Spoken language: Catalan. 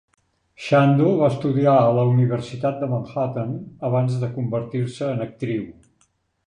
Chando va estudiar a la Universitat de Manhattan abans de convertir-se en actriu.